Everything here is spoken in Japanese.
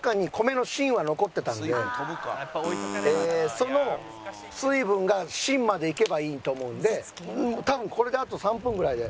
その水分が芯までいけばいいと思うんで多分これであと３分ぐらいで。